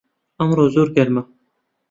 ئەمڕۆ زۆر گەرمە